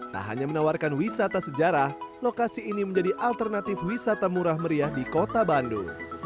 tak hanya menawarkan wisata sejarah lokasi ini menjadi alternatif wisata murah meriah di kota bandung